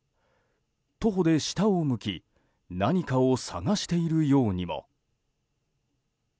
徒歩で下を向き何かを探しているようにも。